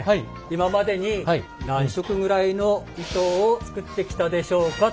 今までに何色ぐらいの糸を作ってきたでしょうか。